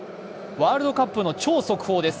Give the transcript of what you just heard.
ワールドカップの超速報です。